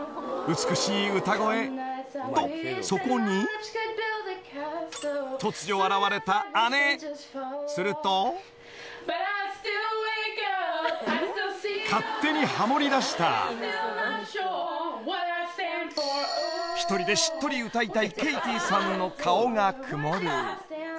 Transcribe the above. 美しい歌声とそこに突如現れた姉すると勝手にハモりだした１人でしっとり歌いたいケイティさんの顔が曇る